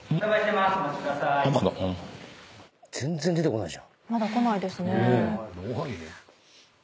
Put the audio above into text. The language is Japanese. まだ来ないですね。